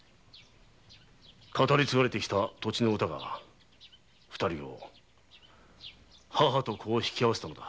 語り継がれてきた土地の歌が二人を母と子を引き合わせたのだ。